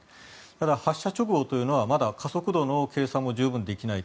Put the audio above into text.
ただ、発射直後というのは加速度の計算も十分できない。